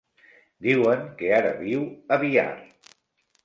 Diuen que ara viu a Biar.